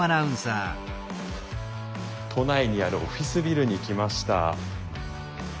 都内にあるオフィスビルに来ました。